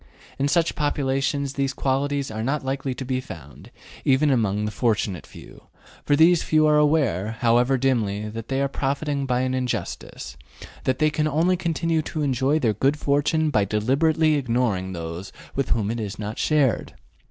In such populations these qualities are not likely to be found, even among the fortunate few, for these few are aware, however dimly, that they are profiting by an injustice, and that they can only continue to enjoy their good fortune by deliberately ignoring those with whom it is not shared.